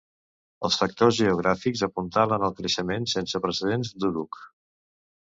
Els factors geogràfics apuntalen el creixement sense precedents d'Uruk.